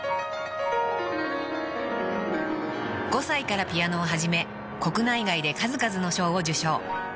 ［５歳からピアノを始め国内外で数々の賞を受賞］